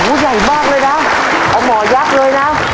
โอ้โหใหญ่มากเลยนะปลาหมอยากเลยนะ